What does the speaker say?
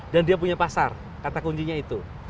dan dia punya pasar kata kuncinya itu